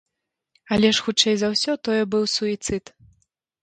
Але ж, хутчэй за ўсё, тое быў суіцыд.